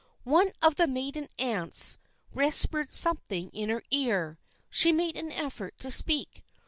One of the maiden aunts whispered something in her ear. She made an effort to speak.